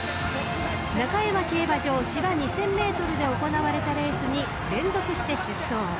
［中山競馬場芝２，０００ｍで行われたレースに連続して出走］